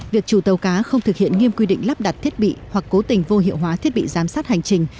việc chủ tàu cá không thực hiện nghiêm quy định lắp đặt thiết bị hoặc cố tình vô hiệu hóa thiết bị giám sát hành trình